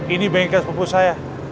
ini bengkel sepupu saya